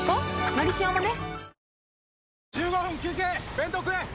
「のりしお」もね